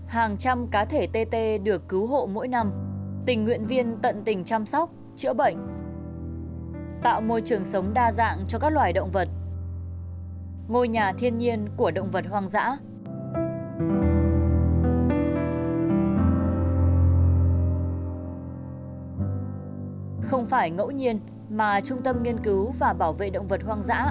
hàng trăm cá thể tê tê được cứu hộ mỗi năm tình nguyện viên tận tình chăm sóc chữa bệnh tạo môi trường sống đa dạng cho các loài động vật ngôi nhà thiên nhiên của động vật hoang dã